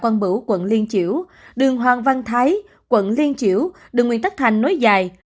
quận bửu quận liên chiểu đường hoàng văn thái quận liên chiểu đường nguyên tắc thành nói dài